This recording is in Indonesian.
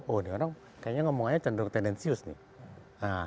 oh ini orang kayaknya ngomongnya cenderung tendensius nih